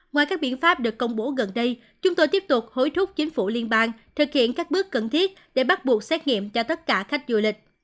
ngoài các biện pháp được công bố gần đây chúng tôi tiếp tục hối thúc chính phủ liên bang thực hiện các bước cần thiết để bắt buộc xét nghiệm cho tất cả khách du lịch